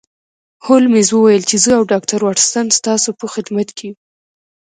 هولمز وویل چې زه او ډاکټر واټسن ستاسو په خدمت کې یو